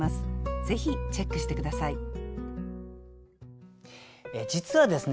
ぜひチェックして下さい実はですね